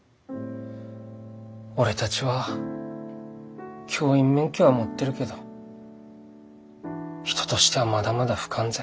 俺たちは教員免許は持ってるけど人としてはまだまだ不完全。